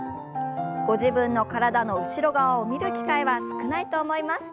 ご自分の体の後ろ側を見る機会は少ないと思います。